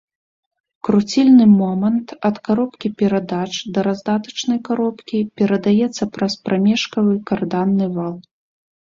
Круцільны момант ад каробкі перадач да раздатачнай каробкі перадаецца праз прамежкавы карданны вал.